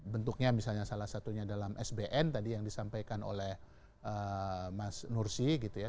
bentuknya misalnya salah satunya dalam sbn tadi yang disampaikan oleh mas nursi gitu ya